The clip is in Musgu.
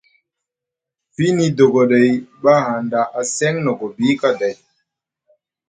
Fiini dogoɗay ɓa hanɗa a seŋ na gobi kaday.